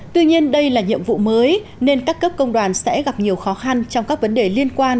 tuy nhiên đây là nhiệm vụ mới nên các cấp công đoàn sẽ gặp nhiều khó khăn trong các vấn đề liên quan